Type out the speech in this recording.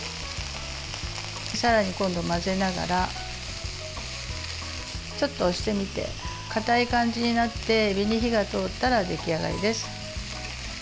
さらに今度は混ぜながらちょっと押してみてかたい感じになってえびに火が通ったら出来上がりです。